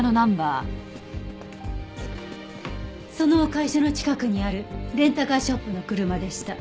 その会社の近くにあるレンタカーショップの車でした。